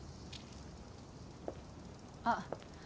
あっ